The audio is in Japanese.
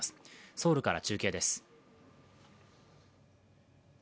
ソウルから中継です。